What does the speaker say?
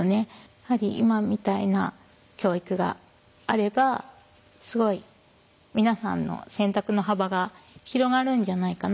やはり今みたいな教育があればすごい皆さんの選択の幅が広がるんじゃないかなとは思います。